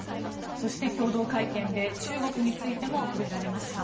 そして、共同会見で中国についても触れられました。